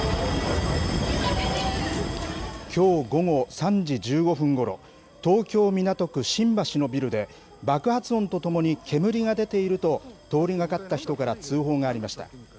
きょう午後３時１５分ごろ、東京・港区新橋のビルで、爆発音とともに煙が出ていると、通りがかった人から通報がありました。